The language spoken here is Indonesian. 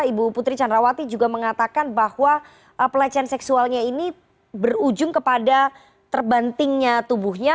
ibu putri candrawati juga mengatakan bahwa pelecehan seksualnya ini berujung kepada terbantingnya tubuhnya